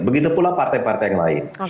begitu pula partai partai yang lain